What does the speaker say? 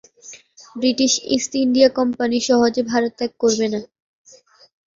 British East India Company সহজে ভারত ত্যাগ করবে না।